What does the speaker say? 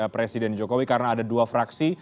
presiden jokowi karena ada dua fraksi